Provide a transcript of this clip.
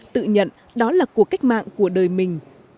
tự nhận đó là cuộc cách mạng của đời mình